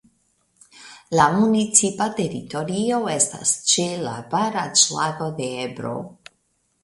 La municipa teritorio estas ĉe la Baraĵlago de Ebro.